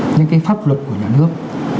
những cái pháp luật của nhà nước